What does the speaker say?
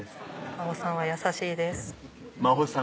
「真帆さんは優しいです」